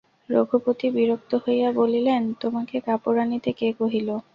রঘুপতি বিরক্ত হইয়া বলিলেন, তোমাকে কাপড় আনিতে কে কহিল?